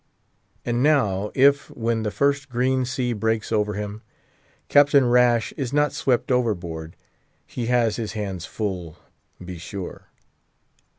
An now, if, when the first green sea breaks over him, Captain Rash is not swept overboard, he has his hands full be sure.